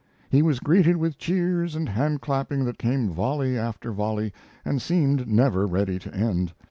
He was greeted with cheers and hand clapping that came volley after volley, and seemed never ready to end.